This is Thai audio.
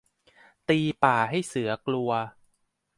ตีป่าให้เสือกลัว